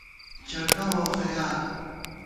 چٹہ ووخَیار